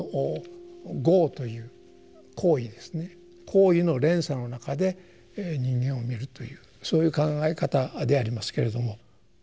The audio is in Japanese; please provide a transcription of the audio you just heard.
行為の連鎖の中で人間を見るというそういう考え方でありますけれども。